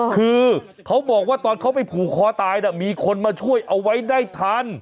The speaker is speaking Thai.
คือเขาบอกว่าตอนเขาไปผูกคอตายมีคนมาช่วยเอาไว้ได้ทัน